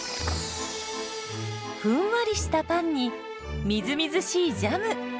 ふんわりしたパンにみずみずしいジャム。